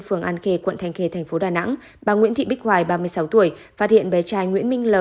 phường an khe quận thanh khe thành phố đà nẵng bà nguyễn thị bích hoài ba mươi sáu tuổi phát hiện bé trai nguyễn minh l